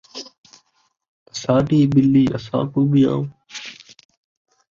اساݙی ٻلی اساکوں میاؤں